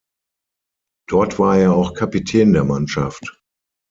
Dort war er auch Kapitän der Mannschaft.